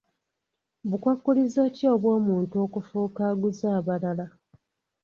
Bukwakkulizo ki obw'omuntu okufuuka aguza abalala?